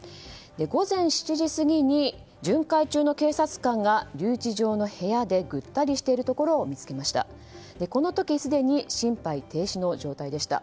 午前７時過ぎに巡回中の警察官が留置場の部屋でぐったりしているところを見つけました。